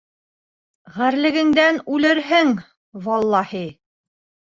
Ғәрлегеңдән үлерһең, валлаһи!